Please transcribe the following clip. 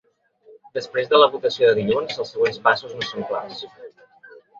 Després de la votació de dilluns, els següents passos no són clars.